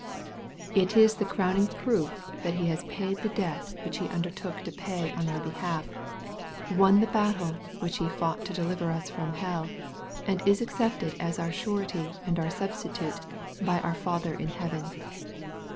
It is the crowning proof that He has paid the debt which He undertook to pay on our behalf, won the battle which He fought to deliver us from hell, and is accepted as our Surety and our Substitute by our Father in heaven.